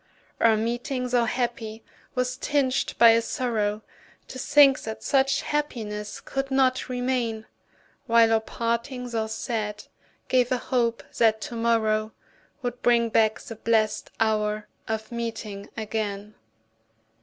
Our meeting, tho' happy, was tinged by a sorrow To think that such happiness could not remain; While our parting, tho' sad, gave a hope that to morrow Would bring back the blest hour of meeting again.